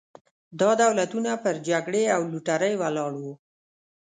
دا دولتونه پر جګړې او لوټرۍ ولاړ وو.